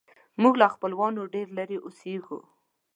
موږ له خپلوانو ډېر لیرې اوسیږو